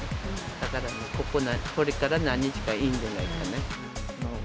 だから、これから何日か、いいんじゃないかね。